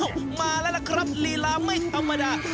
มาแล้วล่ะครับลีลาไม่ธรรมดา